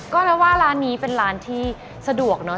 ก็แล้วว่าร้านนี้เป็นร้านที่สะดวกเนอะ